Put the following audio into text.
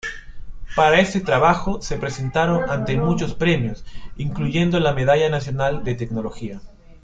Para este trabajo se presentaron ante muchos premios, incluyendo la Medalla Nacional de Tecnología.